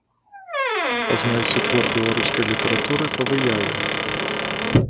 Пазнайце твор беларускай літаратуры па выяве.